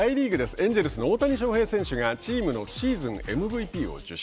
エンジェルスの大谷翔平選手がチームのシーズンＭＶＰを受賞。